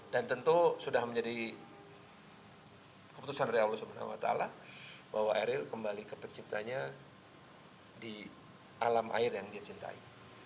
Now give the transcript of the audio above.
dan tentu sudah menjadi keputusan dari allah swt bahwa eril kembali ke penciptanya di alam air yang dia cintai